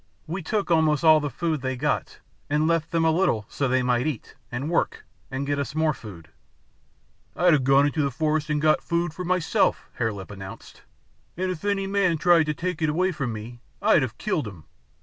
We took almost all the food they got, and left them a little so that they might eat, and work, and get us more food " "I'd have gone into the forest and got food for myself," Hare Lip announced; "and if any man tried to take it away from me, I'd have killed him."